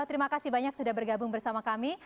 terima kasih banyak sudah bergabung bersama kami